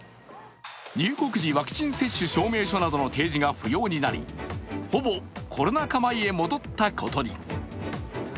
入国時ワクチン接種証明書などの提示が不要になりほぼコロナ禍前に戻ったことに。